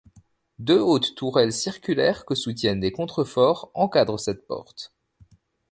Deux hautes tourelles circulaires que soutiennent des contreforts encadrent cette porte.